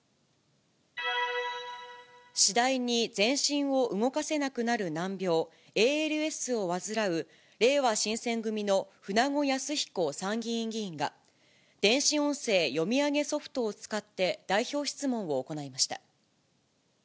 次第に全身を動かせなくなる難病、ＡＬＳを患うれいわ新選組の舩後靖彦参議院議員が、電子音声読み上げソフトを使って代表質問を行いました。